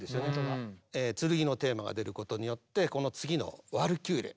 剣のテーマが出ることによってこの次の「ワルキューレ」。